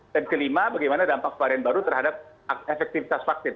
dan kelima bagaimana dampak varian baru terhadap efektivitas vaksin